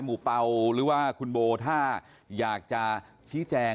เป่าหรือว่าคุณโบถ้าอยากจะชี้แจง